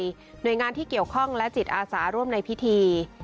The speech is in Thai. หน่วยงานที่เกี่ยวข้องและจิตอาสาร่วมในพิธี